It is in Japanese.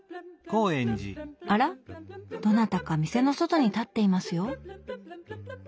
あらどなたか店の外に立っていますよ。